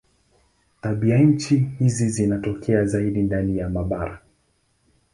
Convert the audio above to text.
Tabianchi hizi zinatokea zaidi ndani ya mabara.